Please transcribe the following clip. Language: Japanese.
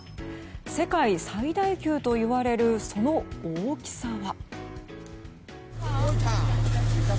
世界最大級といわれるその大きさは？